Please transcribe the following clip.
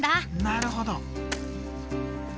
なるほど。